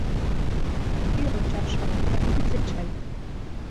Мӱй ончашак ок кӱзӧ чай.